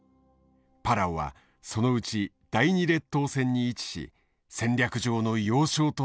パラオはそのうち第２列島線に位置し戦略上の要衝となっているのだ。